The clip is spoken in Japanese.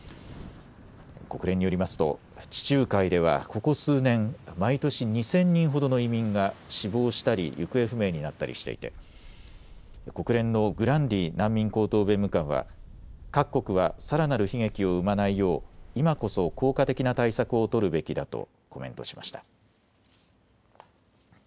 国連によりますと地中海ではここ数年、毎年２０００人ほどの移民が死亡したり行方不明になったりしていて国連のグランディ難民高等弁務官は各国はさらなる悲劇を生まないよう今こそ効果的な対策を取るべきだとコメントしました。